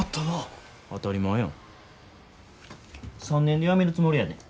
３年で辞めるつもりやで。